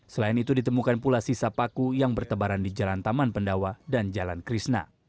selain itu ditemukan pula sisa paku yang bertebaran di jalan taman pendawa dan jalan krishna